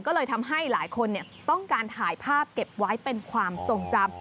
ก็เลยทำให้หลายคนต้องการถ่ายภาพเก็บไว้เป็นความทรงจำ